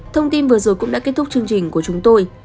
thông tin vừa rồi cũng đã kết thúc chương trình của chúng tôi